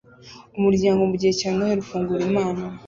Umuryango mugihe cya Noheri ufungura impano